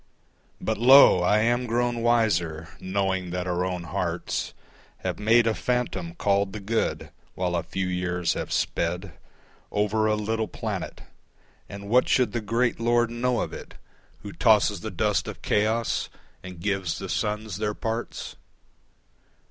But lo! I am grown wiser, knowing that our own hearts Have made a phantom called the Good, while a few years have sped Over a little planet. And what should the great Lord know of it Who tosses the dust of chaos and gives the suns their parts?